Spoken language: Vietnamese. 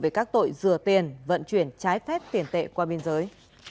về các tội dừa tiền vận chuyển trái phép tiền tệ qua biên giới